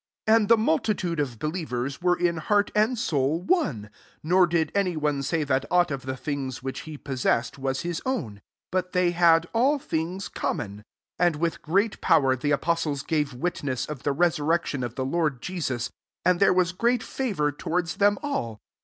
dfi And the multitude of be lievers were in heart and soul, one : nor did any one say that aught of the things which he possessed was his own ; but they had all things common. S3 And with great power the apos tles gave witness of the resur rection of the Lord Jesus : arid there was great favor towards them all.